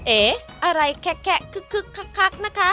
เอ๊ะอะไรแคะแคะคึกคึกคักคักนะคะ